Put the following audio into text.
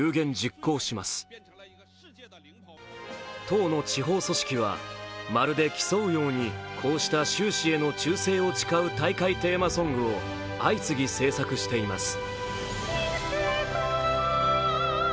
党の地方組織はまるで競うようにこうした習氏への忠誠を誓う大会テーマソングを相次ぎ制作しています。